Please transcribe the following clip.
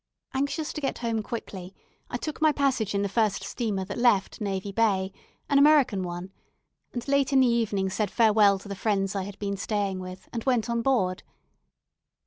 Anxious to get home quickly, I took my passage in the first steamer that left Navy Bay an American one; and late in the evening said farewell to the friends I had been staying with, and went on board.